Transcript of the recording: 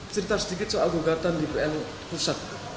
cerita sedikit soal gugatan di pn pusat